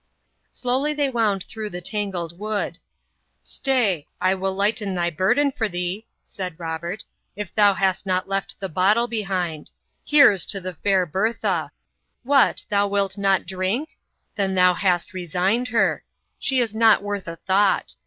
Slowly they wound through the tangled wood. "Stay, I will lighten thy burden for thee," said Robert, "if thou hast not left the bottle behind. Here's to the fair Bertha. What, thou wilt not drink? Then thou hast resigned her; she is not worth a thought.